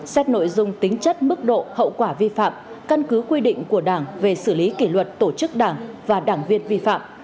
xét nội dung tính chất mức độ hậu quả vi phạm căn cứ quy định của đảng về xử lý kỷ luật tổ chức đảng và đảng viên vi phạm